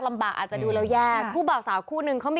ล่ำบากอาจจะดูแล้วแยกคู่เว่าสาวคู่หนึ่งเขามี